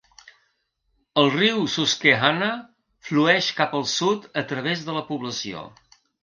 El riu Susquehanna flueix cap al sud a través de la població.